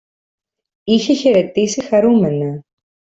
Είχε χαιρετήσει χαρούμενα